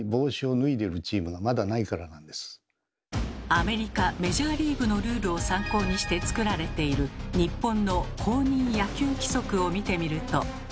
アメリカメジャーリーグのルールを参考にして作られている日本の「公認野球規則」を見てみると。